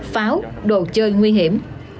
pháo đồ chơi nguy hiểm